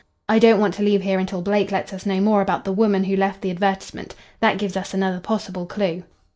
I don't want to leave here until Blake lets us know more about the woman who left the advertisement. That gives us another possible clue."